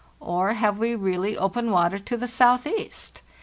Or have we really open water to the southeast?